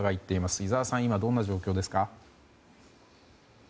井澤さん、今どんな状況ですか。